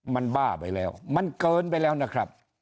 มันบ้าไปแล้วมันเกินไปแล้วนะครับ